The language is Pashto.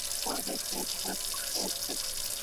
حقوق او واجبات بايد وپيژنو.